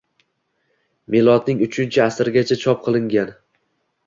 milodning uchinchi asrigacha chop qilingan